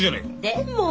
でも。